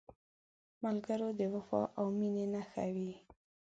ملګری د وفا او مینې نښه وي